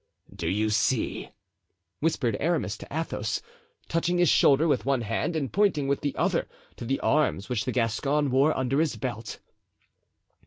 "Do you see?" whispered Aramis to Athos, touching his shoulder with one hand and pointing with the other to the arms which the Gascon wore under his belt.